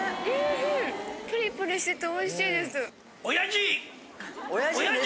プリプリしてておいしいです。